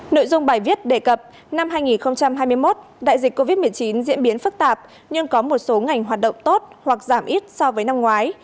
nội dung bài viết đề cập năm hai nghìn hai mươi một đại dịch covid một mươi chín diễn biến phức tạp nhưng có một số ngành hoạt động tốt hoặc giảm ít so với năm ngoái